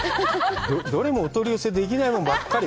どれもお取り寄せできないもんばっかり。